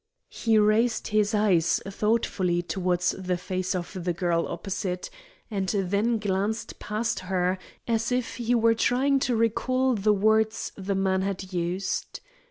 He raised his eyes thoughtfully towards the face of the girl opposite, and then glanced past her, as if he were trying to recall the words the man had used.